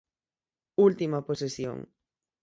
Última posesión.